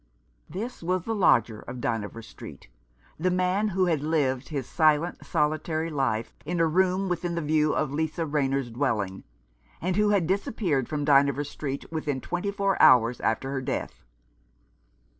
This was the lodger of Dynevor Street — the man who had lived his silent, solitary life in a room within view of Lisa Rayner's dwelling, and who had disappeared from Dynevor Street within twenty four hours after her death.